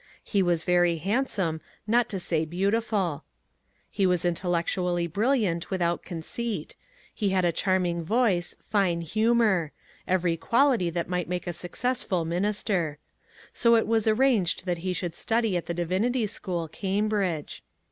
He was very handsome, not to say beau tiful ; he was intellectually brilliant without conceit ; he had a charming voice, fine humour, — every quality thdt might make a successful minister. So it was arranged that he should study at the Divinity School, Cambridge.